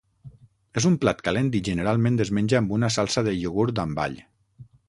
És un plat calent i generalment es menja amb una salsa de iogurt amb all.